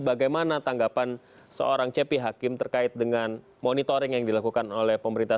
bagaimana tanggapan seorang cepi hakim terkait dengan monitoring yang dilakukan oleh pemerintah